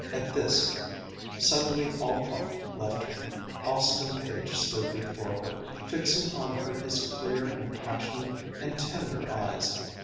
At this, suddenly all thought left her. Austin Page stood before her, fixing on her his clear and passionate and tender eyes.